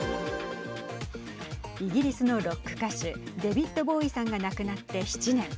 イギリスのロック歌手デビッド・ボウイさんが亡くなって７年。